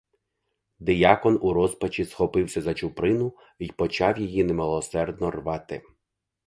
Диякон у розпачі схопився за чуприну й почав її немилосердно рвати.